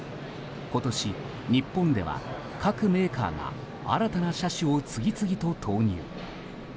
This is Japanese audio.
今年、日本では各メーカーが新たな車種と次々と投入。